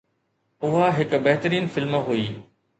اها هڪ بهترين فلم هئي